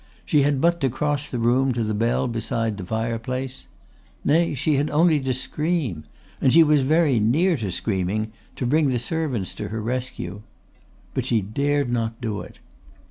She had but to cross the room to the bell beside the fireplace. Nay, she had only to scream and she was very near to screaming to bring the servants to her rescue. But she dared not do it.